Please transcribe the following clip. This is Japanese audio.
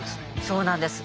そうなんです。